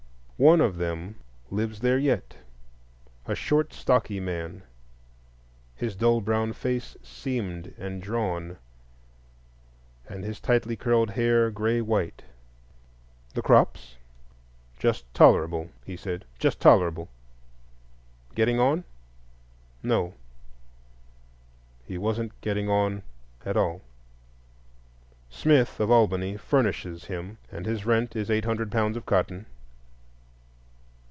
One of them lives there yet,—a short, stocky man, his dull brown face seamed and drawn, and his tightly curled hair gray white. The crops? Just tolerable, he said; just tolerable. Getting on? No—he wasn't getting on at all. Smith of Albany "furnishes" him, and his rent is eight hundred pounds of cotton.